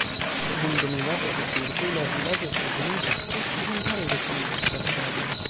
Dum dominado de turkoj la vilaĝo senhomiĝis, poste hungaroj refondis la vilaĝon.